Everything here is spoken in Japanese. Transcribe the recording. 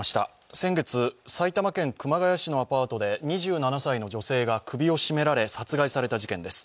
先月、埼玉県熊谷市のアパートで２７歳の女性が首を絞められ殺害された事件です。